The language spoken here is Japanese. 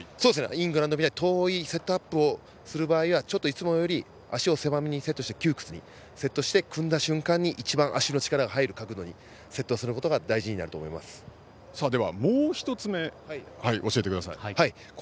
イングランドみたいに遠いセットアップをする場合はちょっといつもより足を狭めに窮屈にセットして足の力が入る角度にセットすることがもう１つ、教えてください。